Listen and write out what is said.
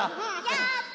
やった！